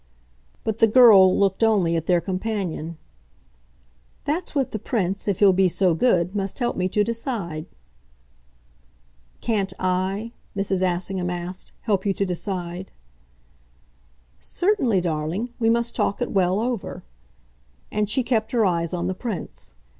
But the girl looked only at their companion. "That's what the Prince, if he'll be so good, must help me to decide." "Can't I," Mrs. Assingham asked, "help you to decide?" "Certainly, darling, we must talk it well over." And she kept her eyes on the Prince.